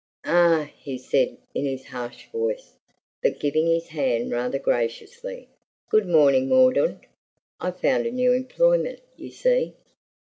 "Ah!" he said, in his harsh voice, but giving his hand rather graciously. "Good morning, Mordaunt. I've found a new employment, you see."